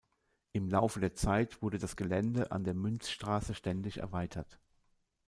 Im Laufe der Zeit wurde das Gelände an der Münzstraße ständig erweitert.